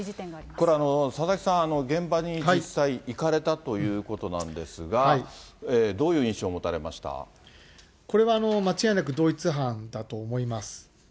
これ、佐々木さん、現場に実際行かれたということなんですが、どういう印象を持たれこれは間違いなく同一犯だと思います。